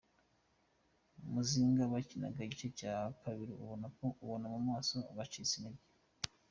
Muzinga bakinaga igice cya kabiri ubona mu maso ko bacitse intege.